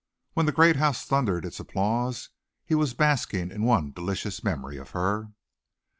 When the great house thundered its applause he was basking in one delicious memory of her.